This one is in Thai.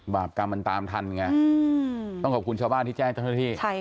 บาปกรรมมันตามทันไงต้องขอบคุณชาวบ้านที่แจ้งเจ้าหน้าที่